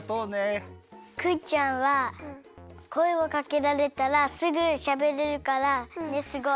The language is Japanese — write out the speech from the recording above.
クイちゃんはこえをかけられたらすぐしゃべれるからすごい。